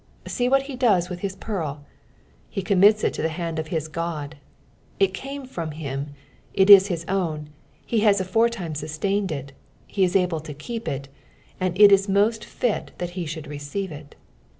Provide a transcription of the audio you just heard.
See what he does with his pearl I He commits it to the hand of his Qod ; it came from hini, it is his own, he has aforetime sustained it, he is able to keep it, and it is most fit that he should receive it.